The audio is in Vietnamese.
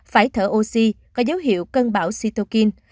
phải thở oxy có dấu hiệu cân bảo cytokine